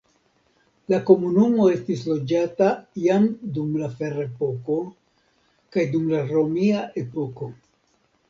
La komunumo estis loĝata jam dum la ferepoko kaj dum la romia epoko.